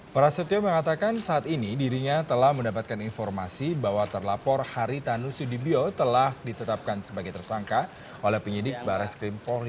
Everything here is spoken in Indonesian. prasetyo mengatakan saat ini dirinya telah mendapatkan informasi bahwa terlapor haritanu sudibyo telah ditetapkan sebagai tersangka oleh penyidik barai skrim polri